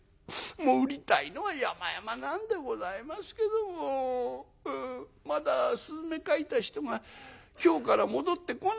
もう売りたいのはやまやまなんでございますけどもうんまだ雀描いた人が京から戻ってこないんですよ。